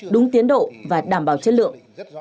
đúng tiến độ và đảm bảo chất lượng